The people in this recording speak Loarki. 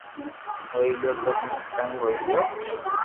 ھوئيي گيو تو ھين تنگ ھوئي گيو